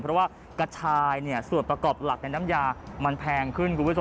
เพราะว่ากระชายส่วนประกอบหลักในน้ำยามันแพงขึ้นคุณผู้ชม